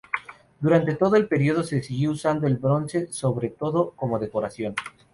Durante todo el periodo se siguió usando el bronce, sobre todo como decoración.